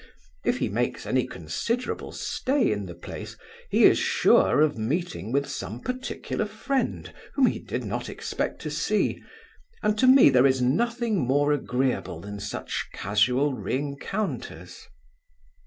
If he makes any considerable stay in the place, he is sure of meeting with some particular friend, whom he did not expect to see; and to me there is nothing more agreeable than such casual reencounters.